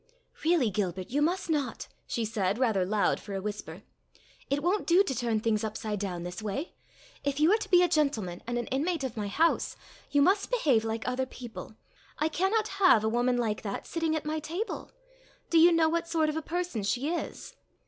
"Really, Gilbert, you must not," she said, rather loud for a whisper. "It won't do to turn things upside down this way. If you are to be a gentleman, and an inmate of my house, you must behave like other people. I cannot have a woman like that sitting at my table. Do you know what sort of a person she is?"